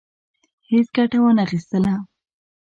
هیڅ ګټه وانه خیستله.